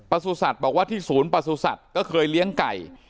สุสัตว์บอกว่าที่ศูนย์ประสุทธิ์ก็เคยเลี้ยงไก่